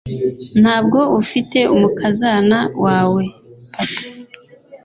Ntabwo ufite umukazana wawe papa